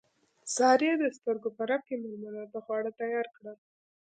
سارې د سترګو په رپ کې مېلمنو ته خواړه تیار کړل.